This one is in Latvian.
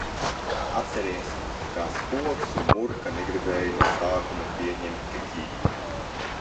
Atceries, kā Spoks un Murka negribēja no sākuma pieņemt Kikī?...